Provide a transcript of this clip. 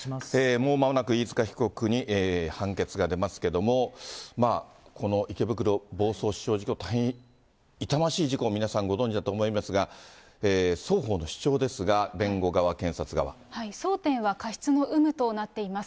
もうまもなく飯塚被告に判決が出ますけれども、この池袋暴走死傷事故、大変痛ましい事故を皆さん、ご存じだと思いますが、双方の主張ですが、弁護側、検察側。争点は過失の有無となっています。